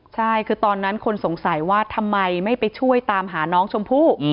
ใช่คือตอนนั้นคนสงสัยว่าทำไมไม่ไปช่วยตามหาน้องชมพู่